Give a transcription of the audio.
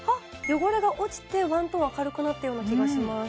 汚れが落ちてワントーン明るくなったような気がします